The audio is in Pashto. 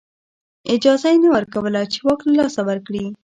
اجازه یې نه ورکوله چې واک له لاسه ورکړي